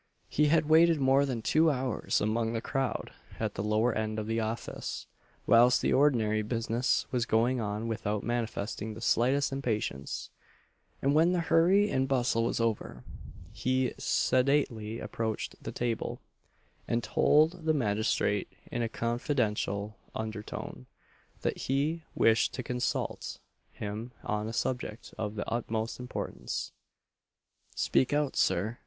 He had waited more than two hours among the crowd at the lower end of the office, whilst the ordinary business was going on without manifesting the slightest impatience; and when the hurry and bustle was over, he sedately approached the table, and told the magistrate, in a confidential under tone, that he wished to consult him on a subject of the utmost importance "Speak out, Sir!"